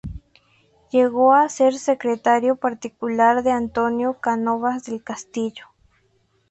Llegó a ser secretario particular de Antonio Cánovas del Castillo.